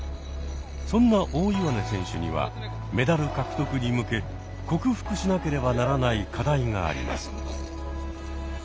そんな大岩根選手にはメダル獲得に向け克服しなければならない課題があります。